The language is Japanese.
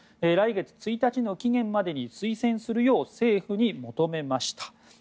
来月１日の期限までに推薦するよう政府に求めました。